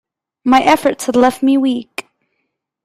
My efforts had left me weak.